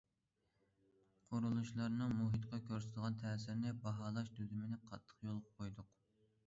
قۇرۇلۇشلارنىڭ مۇھىتقا كۆرسىتىدىغان تەسىرىنى باھالاش تۈزۈمىنى قاتتىق يولغا قويدۇق.